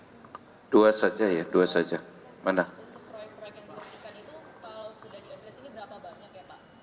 untuk proyek proyek yang diperhatikan itu kalau sudah diadresinnya berapa banyak ya pak